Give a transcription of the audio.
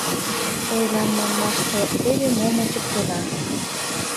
Ойлан манмаште, теве мом ончыктена.